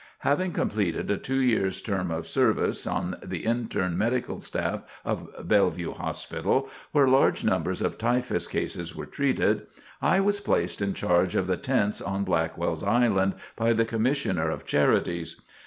Having completed a two years' term of service on the interne medical staff of Bellevue Hospital, where large numbers of typhus cases were treated, I was placed in charge of the tents on Blackwell's Island by the Commissioner of Charities.